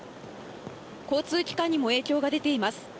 交通機関にも影響が出ています。